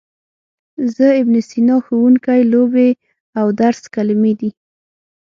زه، ابن سینا، ښوونکی، لوبې او درس کلمې دي.